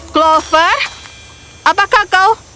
clover apakah kau